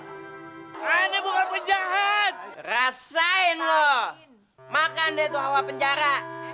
nah ini bukan penjahat rasain lo makan deh tuh awa penjara